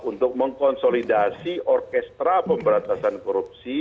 untuk mengkonsolidasi orkestra pemberantasan korupsi